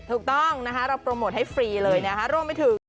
ถูกต้องนะคะเราโปรโมทให้ฟรีเลยนะคะรวมไปถึง